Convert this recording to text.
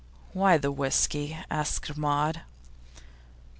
'Why the whisky?' asked Maud.